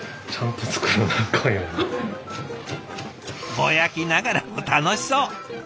ぼやきながらも楽しそう！